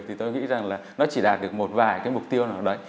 thì tôi nghĩ rằng là nó chỉ đạt được một vài cái mục tiêu nào đấy